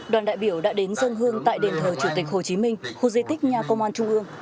đoàn đại biểu đã đến dân hương tại đền thờ chủ tịch hồ chí minh khu di tích nhà công an trung ương